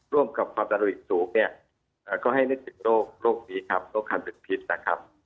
ร่วมกับความดันริสูงเนี่ยก็ให้นึกถึงโรคนี้ครับโรคคันเป็นพิษนะครับ